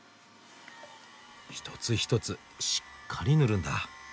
一つ一つしっかり塗るんだ。